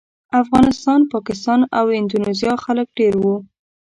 افغانستان، پاکستان او اندونیزیا خلک ډېر وو.